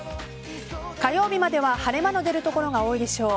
火曜日までは晴れ間の出る所が多いでしょう。